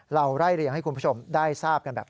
เราไล่เรียงให้คุณผู้ชมได้ทราบกันแบบ